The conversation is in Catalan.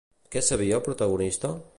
Què sabia el protagonista?